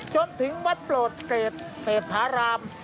จนถึงวัดโปรดเกรดเศรษฐาราม